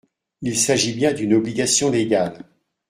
Il s’agit bien d’une obligation légale.